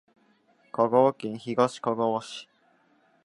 香川県東かがわ市